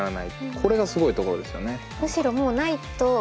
これがすごいところですよね。